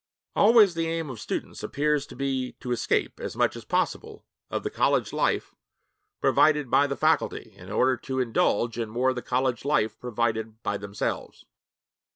Always the aim of students appears to be to escape as much as possible of the college life provided by the faculty, in order to indulge in more of the college life provided by themselves.